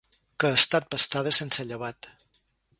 Que ha estat pastada sense llevat.